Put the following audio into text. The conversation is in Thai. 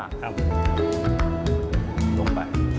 กลิ่นมาล่านี่มันจะหอมกุ้ง